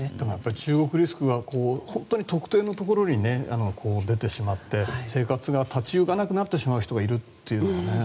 中国リスクが特定のところに出てしまって生活が立ち行かなくなってしまう人がいるのもね。